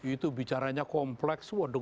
itu bicaranya kompleks wah